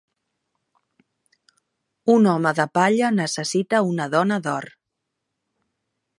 Un home de palla necessita una dona d'or.